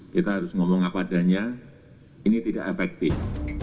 kita harus ngomong apa adanya ini tidak efektif